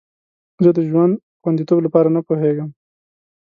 زه د ژوند خوندیتوب لپاره نه پوهیږم.